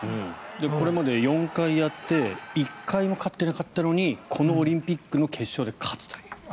これまで４回やって１回も勝っていなかったのにこのオリンピックの決勝で勝つという。